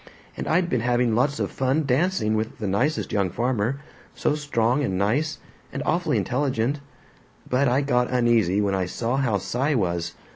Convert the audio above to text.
And I'd been having lots of fun dancing with the nicest young farmer, so strong and nice, and awfully intelligent. But I got uneasy when I saw how Cy was.